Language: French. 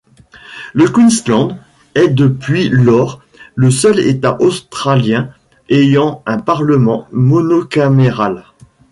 Le Queensland est, depuis lors, le seul État australien ayant un parlement monocaméral.